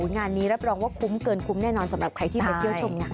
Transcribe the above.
งานนี้รับรองว่าคุ้มเกินคุ้มแน่นอนสำหรับใครที่ไปเที่ยวชมงาน